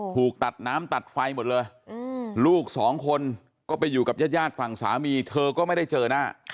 ถูกตัดน้ำตัดไฟหมดเลยลูกสองคนก็ไปอยู่กับญาติฝั่งสามีเธอก็ไม่ได้เจอหน้า